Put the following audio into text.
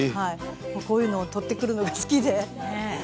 こういうのを取ってくるのが好きで。